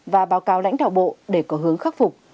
và báo cáo lãnh đạo bộ để có hướng khắc phục